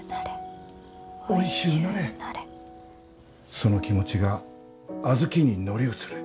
その気持ちが小豆に乗り移る。